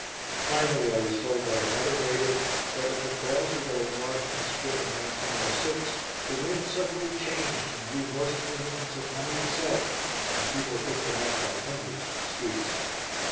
Finally, I was told by another native that when the quails were going north in the spring of 1906 the wind suddenly changed and blew most of them into Trapani itself, and people picked them up by hundreds in the streets.